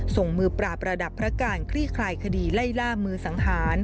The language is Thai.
ส่งมือปราบระดับพระการคลี่คลายคดีไล่ล่ามือสังหาร